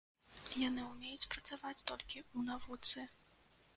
Яны умеюць працаваць толькі ў навуцы.